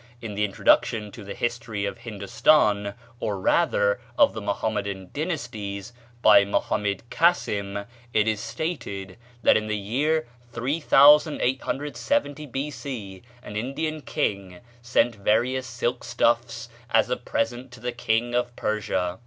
In the introduction to the "History of Hindostan," or rather of the Mohammedan Dynasties, by Mohammed Cassim, it is stated that in the year 3870 B.C. an Indian king sent various silk stuffs as a present to the King of Persia.